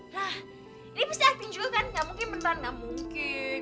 ra ini pasti acting juga kan gak mungkin beneran gak mungkin